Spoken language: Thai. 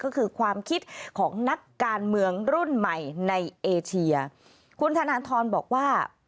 ก็คือความคิดของนักการเมืองรุ่นใหม่ในเอเชียคุณธนทรบอกว่า